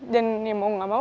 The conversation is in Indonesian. dan ya mau gak